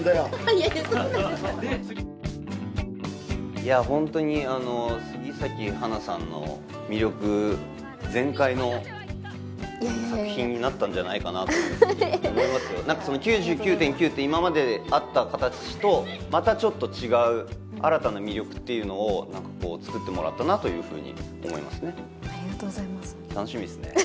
いやホントに杉咲花さんの魅力全開の作品になったんじゃないかなと思いますよ「９９．９」って今まであった形とまたちょっと違う新たな魅力っていうのを作ってもらったなと思いますねありがとうございます楽しみですね